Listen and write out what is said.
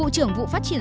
nhưng tôi rất thích